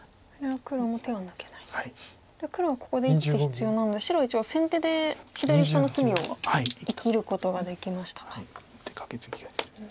黒はここで１手必要なので白は一応先手で左下の隅を生きることができましたか。